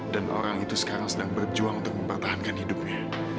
orang itu sekarang sedang berjuang untuk mempertahankan hidupnya